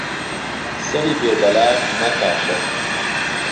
سەری بێ دەلاک مەتاشە